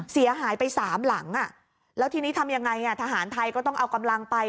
เสียหายไปสามหลังแล้วทีนี้ทำยังไงทหารไทยก็ต้องเอากำลังไป